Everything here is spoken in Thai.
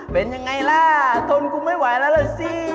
เป็นยังไงล่ะทนกูไม่ไหวแล้วล่ะสิ